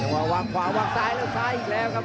วางขวาวางซ้ายแล้วซ้ายอีกแล้วครับ